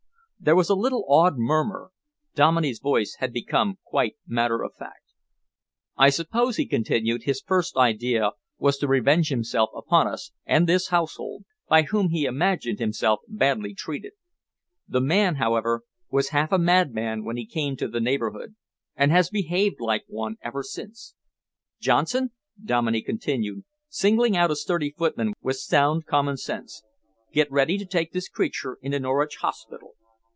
There was a little awed murmur. Dominey's voice had become quite matter of fact. "I suppose," he continued, "his first idea was to revenge himself upon us and this household, by whom he imagined himself badly treated. The man, however, was half a madman when he came to the neighbourhood and has behaved like one ever since. Johnson," Dominey continued, singling out a sturdy footman with sound common sense, "get ready to take this creature into Norwich Hospital.